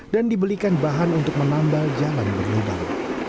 dan dibelikan bahan untuk menambal jalan berlubang